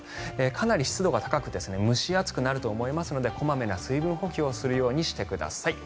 かなり湿度が高く蒸し暑くなると思いますので小まめな水分補給をするようにしてください。